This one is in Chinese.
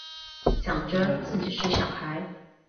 想着自己是小孩